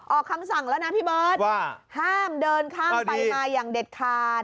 คำสั่งแล้วนะพี่เบิร์ตว่าห้ามเดินข้ามไปมาอย่างเด็ดขาด